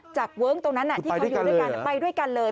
เวิ้งตรงนั้นที่เขาอยู่ด้วยกันไปด้วยกันเลย